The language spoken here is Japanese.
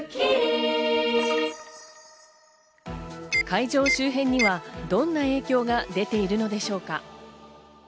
会場周辺にはどんな影響が出ているのでしょうか。